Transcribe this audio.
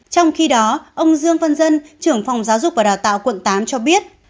trong khi đó ông dương văn dân trưởng phòng giáo dục và đào tạo quận tám cho biết